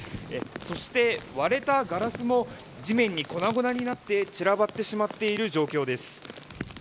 そして、割れたガラスも地面に粉々になって散らばってしまっている状況です。